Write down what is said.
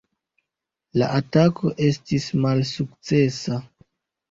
La atako estis malsukcesa.